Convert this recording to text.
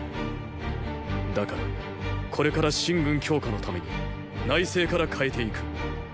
だからこれから秦軍強化のために内政から変えていく。